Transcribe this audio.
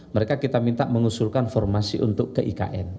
mereka kita minta mengusulkan formasi untuk ke ikn